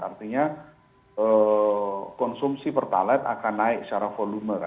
artinya konsumsi pertalaid akan naik secara volume kan brand heart ya